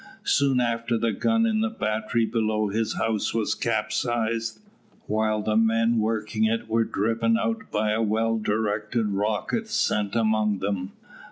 Soon after the gun in a battery below his house was capsized, while the men working it were driven out by a well directed rocket sent among them.